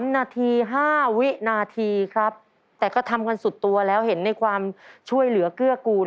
๓นาที๕วินาทีครับแต่ก็ทำกันสุดตัวแล้วเห็นในความช่วยเหลือเกื้อกูล